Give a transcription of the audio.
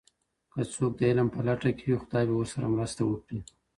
که څوک د علم په لټه کي وي، خدای به ورسره مرسته وکړي.